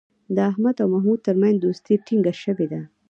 د احمد او محمود ترمنځ دوستي ټینگه شوې ده.